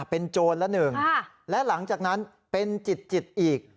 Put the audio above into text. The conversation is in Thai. เป็นโจรละหนึ่งและหลังจากนั้นเป็นจิตอีก